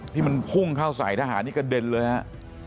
ที่มันพุ่งเข้าใส่ทหารนี่กระเด็นเลยฮะ